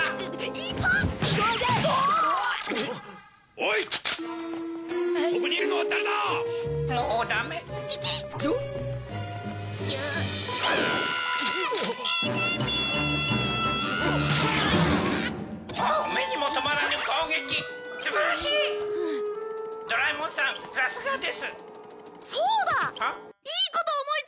いいこと思いついちゃった！